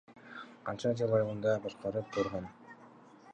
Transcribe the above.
Канча жыл Алайды башкарып турган.